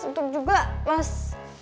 untuk juga mas